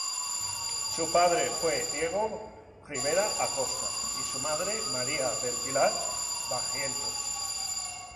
Su padre fue Diego Rivera Acosta y su madre María del Pilar Barrientos.